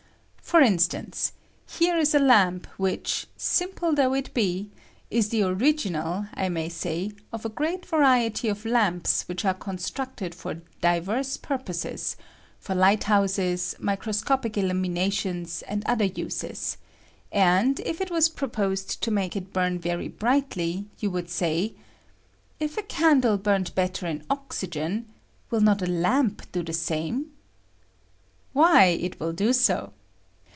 For in stance, here is a lamp which, simple though it be, is the original, I may say, of a great vari ety of lamps which are constructed for divers L^ w COMBUSTION OF A LAMP IN OXYGEN. 115 purposes — for light houses, microscopic illu minationa, and other uses ; and, if it was pro posed to make it bum very brightly, you would say, " If a candle burnt better in oxy gen, will not a lamp do the same?" "Why, it will do so.